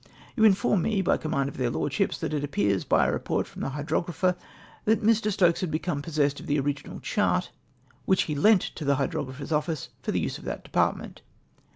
" You inform me, by command of their Lordships, that ' it appears by a report from the Hydrographer that Mr. Stokes had become possessed of the original chart which he B 4 8 SECOND LETTER TO SIR JOHN BARROW. lent to the Hydrographer's office for the use of that depart ment.'